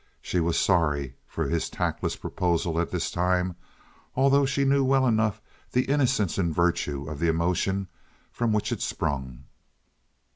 She was sorry for his tactless proposal at this time, although she knew well enough the innocence and virtue of the emotion from which it sprung.